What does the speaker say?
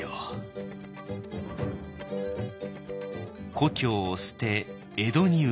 「故郷を捨て江戸に移れ」。